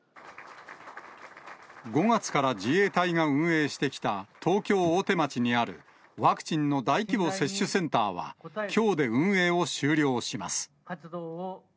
５月から自衛隊が運営してきた東京・大手町にある、ワクチンの大規模接種センターは、きょうで運営を終了します。